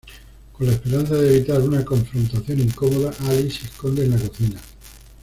Con la esperanza de evitar una confrontación incómoda Ally se esconde en la cocina.